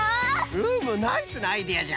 うむナイスなアイデアじゃ！